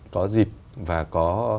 có dịp và có